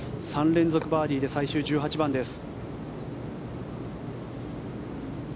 ３連続バーディーで最終１８番です。